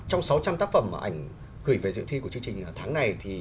trong sáu trăm linh tác phẩm ảnh gửi về dự thi của chương trình tháng này